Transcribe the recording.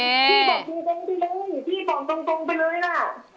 พี่บอกพี่ได้ไหม